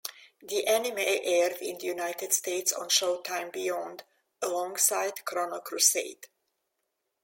The anime aired in the United States on Showtime Beyond, alongside "Chrono Crusade".